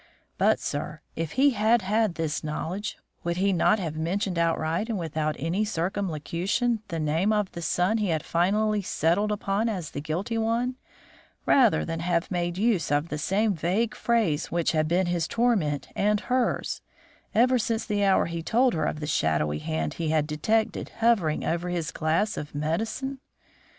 But, sir, if he had had this knowledge, would he not have mentioned outright and without any circumlocution the name of the son he had finally settled upon as the guilty one, rather than have made use of the same vague phrase which had been his torment and hers, ever since the hour he told her of the shadowy hand he had detected hovering over his glass of medicine?